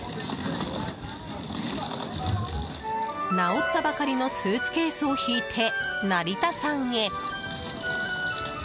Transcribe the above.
直ったばかりのスーツケースを引いて成田山へ。